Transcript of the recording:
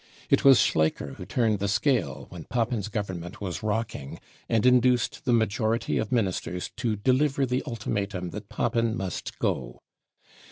It was Schleicher who turned the scale when Papen's Govern ment was rocking, and induced the majority of Ministers to deliver the ultimatum that Papen must go.